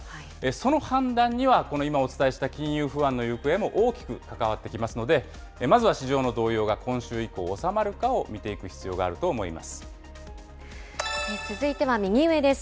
その判断にはこの今お伝えした金融不安の行方も大きく関わってきますので、まずは市場の動揺が今週以降収まるかを見ていく必要があるかと思続いては右上です。